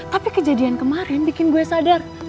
tapi kejadian kemarin bikin gue sadar